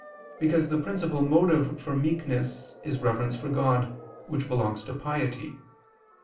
Because the principal motive for meekness is reverence for God, which belongs to piety.